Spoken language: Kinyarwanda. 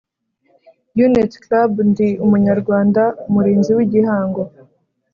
Unit club ndi umunyarwanda umurinzi w igihango